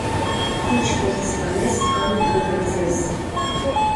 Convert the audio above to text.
Ինչ որ ցանես, այն կհնձես: